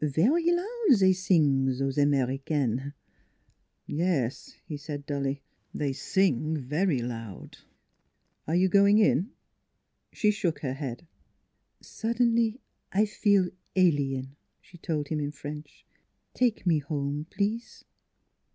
" Very loud zey sing zose Americaine." " Yes," he said dully; " they sing very loud. Are you going in? " She shook her head. " Suddenly I feel alien," she told him in French. " Take me home, please."